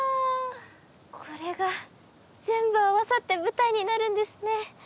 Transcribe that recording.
これが全部合わさって舞台になるんですね。